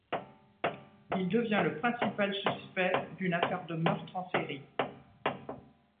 Il devient le principal suspect d'une affaire de meurtre en série.